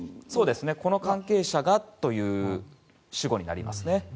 この関係者がという主語になりますね。